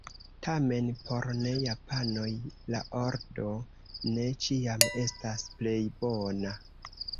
Tamen, por ne-japanoj la ordo ne ĉiam estas plej bona.